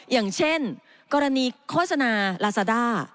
อย่างเช่นกรณีโฆษณาลาซาด้า